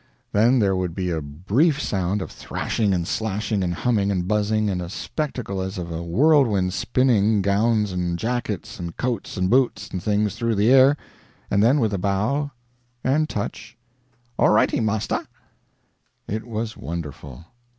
Then there would be a brief sound of thrashing and slashing and humming and buzzing, and a spectacle as of a whirlwind spinning gowns and jackets and coats and boots and things through the air, and then with bow and touch "Awready, master." It was wonderful.